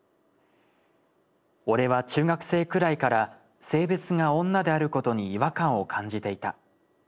俺は中学生くらいから性別が女であることに違和感を感じていた。